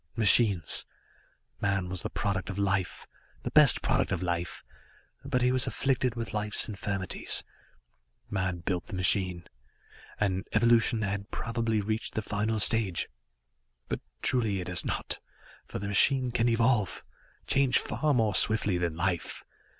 Machines man was the product of life, the best product of life, but he was afflicted with life's infirmities. Man built the machine and evolution had probably reached the final stage. But truly, it has not, for the machine can evolve, change far more swiftly than life.